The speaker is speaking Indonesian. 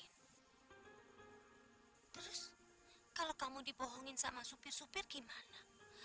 terus kalau kamu dibohongin sama supir supir gimana